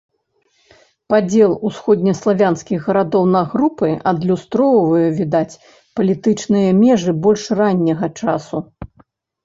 Падзел усходнеславянскіх гарадоў на групы адлюстроўвае, відаць, палітычныя межы больш ранняга часу.